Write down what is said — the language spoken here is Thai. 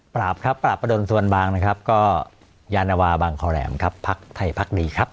ครับปราบประดนสวรรบางนะครับก็ยานวาบางคอแหลมครับพักไทยพักดีครับ